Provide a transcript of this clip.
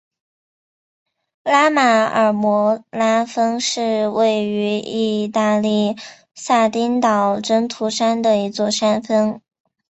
拉马尔摩拉峰是位于义大利撒丁岛真图山的一座山峰。